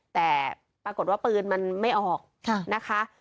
แต่ปรากฏว่าปืนมันไม่ออกนะคะ